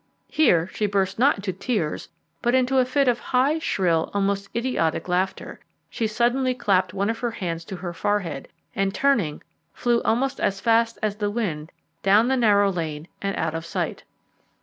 Here she burst not into tears, but into a fit of high, shrill, almost idiotic laughter. She suddenly clapped one of her hands to her forehead, and, turning, flew almost as fast as the wind down the narrow lane and out of sight.